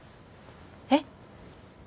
えっ？